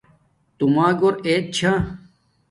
توما گھور ایت چھا